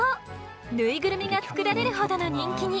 ぬいぐるみが作られるほどの人気に。